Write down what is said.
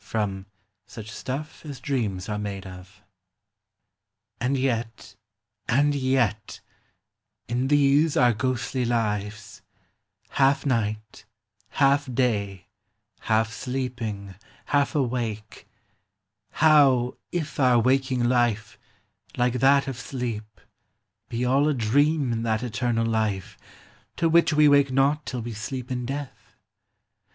FROM 'SUCH STUFF AS DREAMS ARE MADE OF." And yet— and yet— in these our ghostly lives, Half night, half day, half sleeping, half awake, How if our waking life, like that of sleep, Be all a dream in that eternal life To which we wake not till we sleep in death